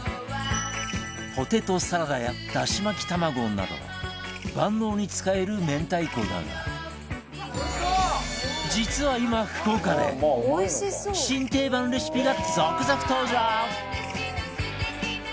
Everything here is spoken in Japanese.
ポテトサラダやだし巻き卵など万能に使える明太子だが実は今福岡で新定番レシピが続々登場！